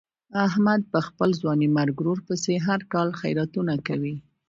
احمد په خپل ځوانیمرګ ورور پسې هر کال خیراتونه کوي.